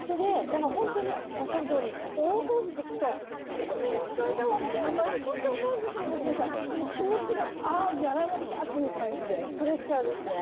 だから本当におっしゃるとおり大掃除って聞くと早めにしといたほうがいいって毎年思うんですけども何か気持ちが「あやらなきゃ」という感じでプレッシャーですね。